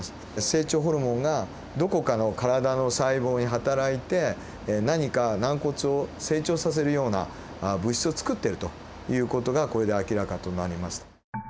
成長ホルモンがどこかの体の細胞にはたらいて何か軟骨を成長させるような物質をつくっているという事がこれで明らかとなります。